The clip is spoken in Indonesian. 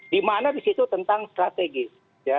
di mana di situ tentang strategis